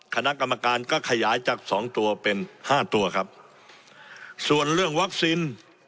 คณะกรรมการก็ขยายจากสองตัวเป็นห้าตัวครับส่วนเรื่องวัคซีน